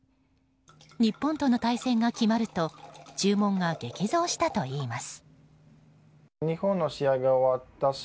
日本との対戦が決まると注文が激増したといいます。